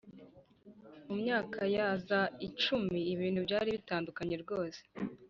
mu myaka ya za icumi, ibintu byari bitandukanye rwose